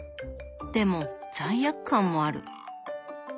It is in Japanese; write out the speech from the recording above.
でも罪悪感もある。